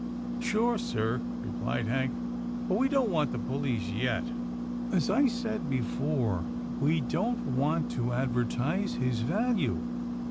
" Sure, sir," replied Hank. " But we don't want the police yet. As I said before, we don't want to advertise his value.